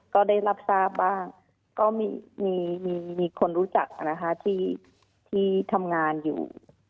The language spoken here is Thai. ก็ได้รับทราบบ้างก็มีคนรู้จักนะคะที่ทำงานอยู่